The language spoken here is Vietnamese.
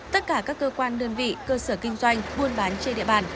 tất cả các cơ quan đơn vị cơ sở kinh doanh buôn bán trên địa bàn